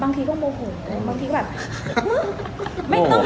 บางทีก็แบบไม่ต้องหอบ